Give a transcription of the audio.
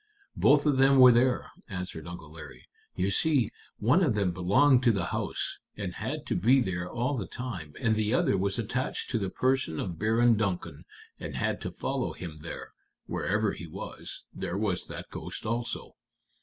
"Both of them were there," answered Uncle Larry. "You see, one of them belonged to the house, and had to be there all the time, and the other was attached to the person of Baron Duncan, and had to follow him there; wherever he was, there was that ghost also.